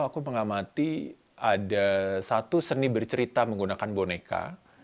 aku mengamati ada satu seni bercerita menggunakan boneka